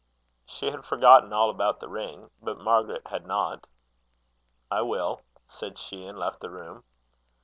She had forgotten all about the ring. But Margaret had not. "I will," said she, and left the room.